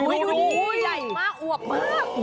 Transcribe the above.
อุ๊ยใหญ่มากอวกมาก